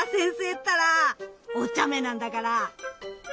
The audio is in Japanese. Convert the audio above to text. ったらおちゃめなんだから！